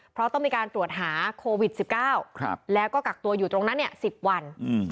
เพราะต้องมีการตรวจหาโควิด๑๙แล้วก็กักตัวอยู่ตรงนั้น๑๐วัน